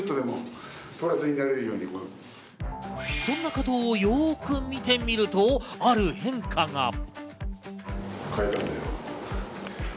そんな加藤をよく見てみると、ある変化が。